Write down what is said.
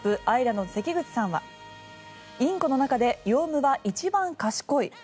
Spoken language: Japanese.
アイランドの関口さんはインコの中でヨウムは一番賢い。